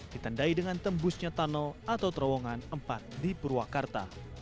ditandai dengan tembusnya tunnel atau terowongan empat di purwakarta